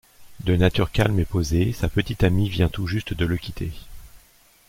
De nature calme et posée, sa petite-amie vient tout juste de le quitter.